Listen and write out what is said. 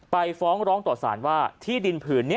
ไปฟ้องร้องต่อสารว่าที่ดินผืนนี้